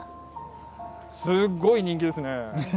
すごい人気ですね。